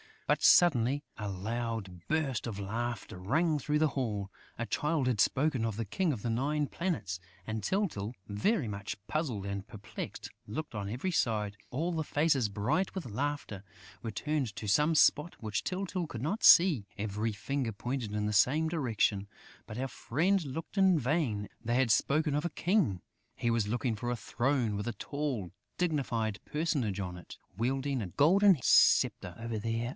But, suddenly, a loud burst of laughter rang through the hall. A Child had spoken of the King of the Nine Planets; and Tyltyl, very much puzzled and perplexed, looked on every side. All the faces, bright with laughter, were turned to some spot which Tyltyl could not see; every finger pointed in the same direction; but our friend looked in vain. They had spoken of a king! He was looking for a throne with a tall, dignified personage on it, wielding a golden sceptre. "Over there